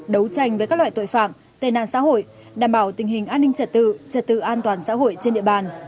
đấu tranh với các loại tội phạm tên nạn xã hội đảm bảo tình hình an ninh trả tự trả tự an toàn xã hội trên địa bàn